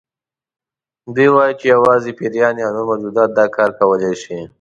دوی وایي چې یوازې پیریان یا نور موجودات دا کار کولی شي.